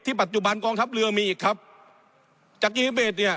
ปัจจุบันกองทัพเรือมีอีกครับจากยูนิเบสเนี่ย